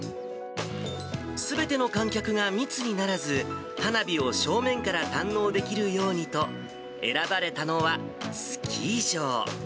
すべての観客が密にならず、花火を正面から堪能できるようにと、選ばれたのは、スキー場。